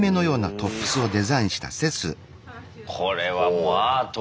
これはもうアートだねぇ。